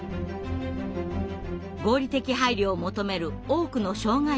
合理的配慮を求める多くの障害者の声。